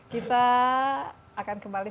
kita akan kembali